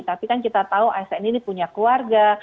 tapi kan kita tahu asn ini punya keluarga